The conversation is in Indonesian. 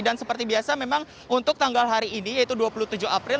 dan seperti biasa memang untuk tanggal hari ini yaitu dua puluh tujuh april